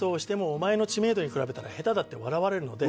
「お前の知名度に比べたら下手だって笑われるので」